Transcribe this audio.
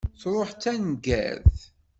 Truḥ d taneggart.